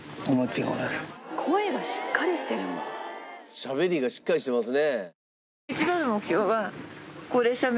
しゃべりがしっかりしてますね。